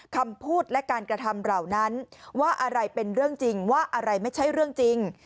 คำพูดและการกระทำเหล่านั้นว่าอะไรเป็นเรื่องจริงว่าอะไรไม่ใช่เรื่องจริง